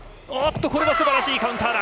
これは素晴らしいカウンターだ。